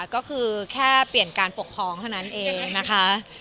ก็คือแค่เปลี่ยนการปกครองเท่านั้นเองนะคะ